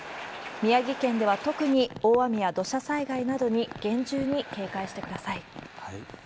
宮城県では特に大雨や土砂災害などに厳重に警戒してください。